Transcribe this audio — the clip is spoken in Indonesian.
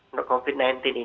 untuk covid sembilan belas ini